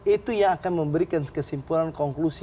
itu yang akan memberikan kesimpulan konklusi